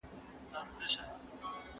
زه بايد لاس پرېولم؟